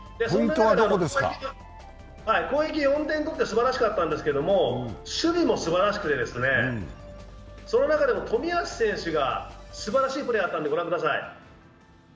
攻撃４点とってすばらしかったんですけど守備もすばらしくてその中でも冨安選手がすばらしいプレーあったのでご覧ください。